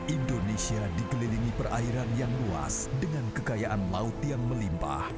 indonesia dikelilingi perairan yang luas dengan kekayaan laut yang melimpah